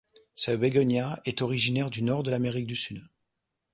Ce bégonia est originaire du nord de l'Amérique du Sud.